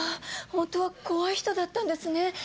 ホントは怖い人だったんですね。